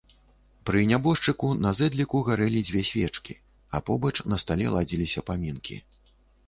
Пры нябожчыку на зэдліку гарэлі дзве свечкі, а побач на стале ладзіліся памінкі.